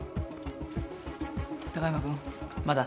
貴山君まだ？